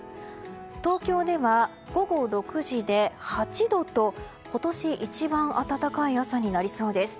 東京では午後６時で８度と今年一番暖かい朝になりそうです。